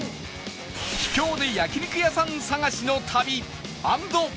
秘境で焼肉屋さん探しの旅＆